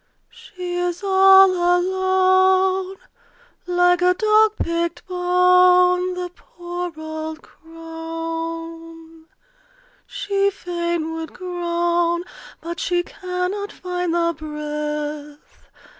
She is all alone Like a dog picked bone, The poor old crone! She fain would groan, But she cannot find the breath.